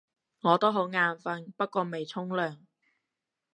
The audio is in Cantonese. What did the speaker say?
我都好眼瞓，不過未沖涼